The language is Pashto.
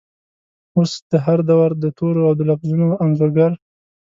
اوس د هردور دتورو ،اودلفظونو انځورګر،